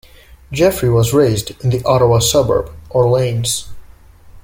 Jeffrey was raised in the Ottawa suburb, Orleans.